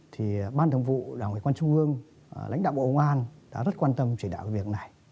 thì ban thống vụ đảng ủy công an trung ương lãnh đạo bộ công an đã rất quan tâm chỉ đạo việc này